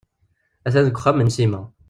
A-t-an deg uxxam n Sima.